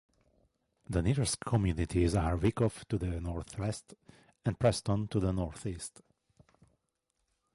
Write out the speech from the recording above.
The nearest communities are Wykoff, to the northwest, and Preston, to the northeast.